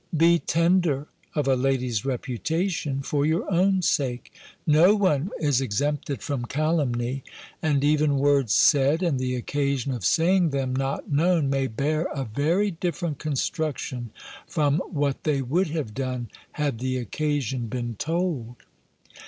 Be tender of a lady's reputation for your own sake. No one is exempted from calumny; and even words said, and the occasion of saying them not known, may bear a very different construction from 'what they would have done, had the occasion been told."